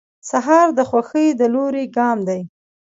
سهار د خوښۍ د لوري ګام دی.